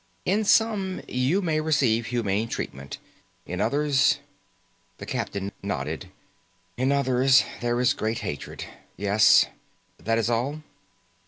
In some you may receive humane treatment. In others " The captain nodded. "In others, there is great hatred. Yes. That is all?"